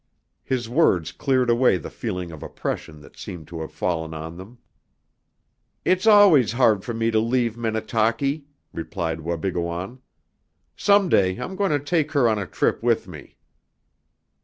His words cleared away the feeling of oppression that seemed to have fallen on them. "It's always hard for me to leave Minnetaki," replied Wabigoon. "Some day I'm going to take her on a trip with me."